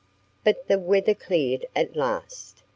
But the weather cleared at last.